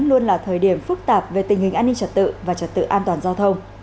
luôn là thời điểm phức tạp về tình hình an ninh trật tự và trật tự an toàn giao thông